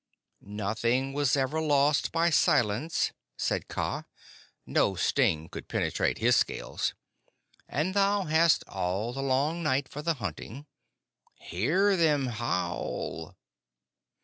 "Nothing was ever yet lost by silence," said Kaa no sting could penetrate his scales "and thou hast all the long night for the hunting. Hear them howl!"